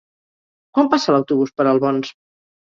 Quan passa l'autobús per Albons?